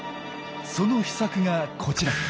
その秘策がこちら。